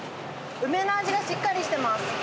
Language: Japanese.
梅の味がしっかりしてます。